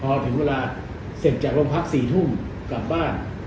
พอถึงเวลาเสร็จจากโรงพัก๔ทุ่มกลับบ้าน